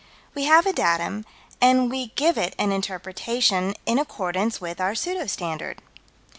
We have a datum, and we give it an interpretation, in accordance with our pseudo standard.